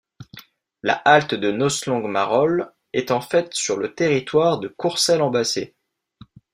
La halte de Noslong-Marolles est en fait sur le territoire de Courcelles-en-Bassée.